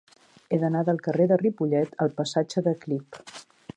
He d'anar del carrer de Ripollet al passatge de Clip.